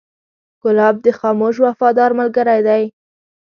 ګلاب د خاموش وفادار ملګری دی.